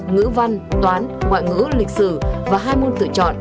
ngữ văn toán ngoại ngữ lịch sử và hai môn tự chọn